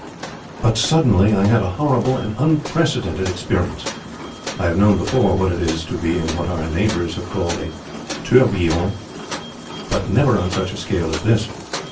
But suddenly I had a horrible and unprecedented experience. I have known before what it is to be in what our neighbours have called a tourbillon, but never on such a scale as this.